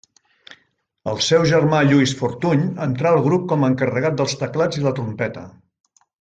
El seu germà Lluís Fortuny entrà al grup com encarregat dels teclats i la trompeta.